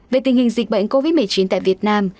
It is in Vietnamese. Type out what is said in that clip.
về tình hình dịch bệnh covid một mươi chín tại việt nam